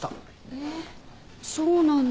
えっそうなんだ。